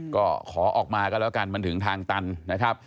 ก็ขอออกมาก็แล้วกันมันถึงทางตันนะครับ